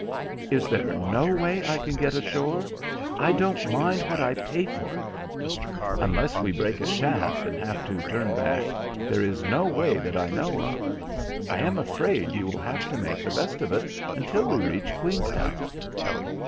"Is there no way I can get ashore? I don't mind what I pay for it." "Unless we break a shaft and have to turn back there is no way that I know of. I am afraid you will have to make the best of it until we reach Queenstown."